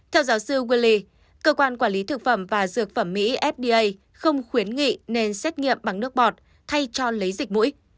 theo giáo sư wes cơ quan quản lý thực phẩm và dược phẩm mỹ fda không khuyến nghị nên xét nghiệm bằng nước bọt thay cho lấy dịch mũi